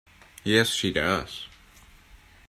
Yes, she does.